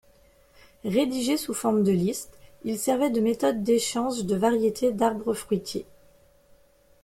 Rédigé sous forme de liste, il servait de méthode d'échange de variétés d'arbres fruitiers.